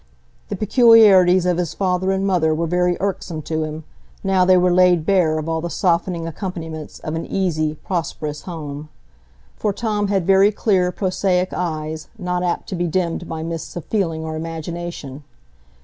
The peculiarities of his father and mother were very irksome to him, now they were laid bare of all the softening accompaniments of an easy, prosperous home; for Tom had very clear, prosaic eyes, not apt to be dimmed by mists of feeling or imagination.